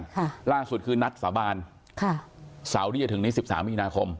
ค่ะล่าสุดคือนัดสาบานค่ะเสาร์ที่จะถึงนี้สิบสามมีนาคม